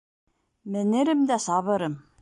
Менерем дә сабырым.